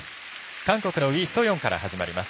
韓国のウィ・ソヨンから始まります。